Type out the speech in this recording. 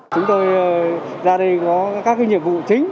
chúng tôi ra đây có các nhiệm vụ chính